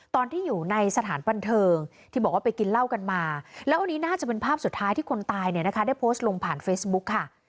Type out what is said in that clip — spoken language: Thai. ตอนที่อยู่ในสถานบันเทิงที่บอกว่าไปกินเหล้ากันมาแล้วอันนี้น่าจะเป็นภาพสุดท้ายที่คนตายเนี่ยนะคะได้โพสต์ลงผ่านเฟซบุ๊คค่ะ